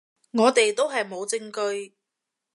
我哋都係冇證據